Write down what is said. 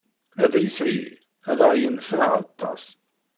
Adlis-ayi ad aɣ-yenfeɛ aṭas.